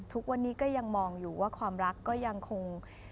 ทุกวันนี้ก็ยังมองอยู่ว่าความรักก็ยังคง